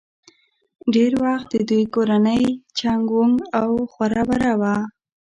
ډېر وخت د دوي کورنۍ چنګ ونګ او خوره وره وه